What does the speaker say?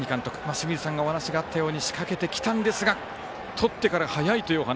清水さんからお話があったように仕掛けてきたんですがとってから早いというお話。